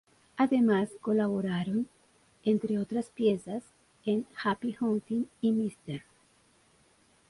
Además, colaboraron, entre otras piezas, en "Happy Hunting" y "Mr.